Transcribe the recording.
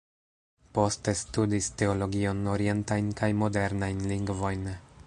Poste studis teologion, orientajn kaj modernajn lingvojn.